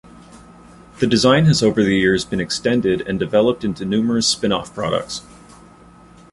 The design has over the years been extended and developed into numerous spin-off products.